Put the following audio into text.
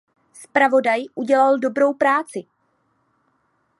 Zpravodaj udělal dobrou práci.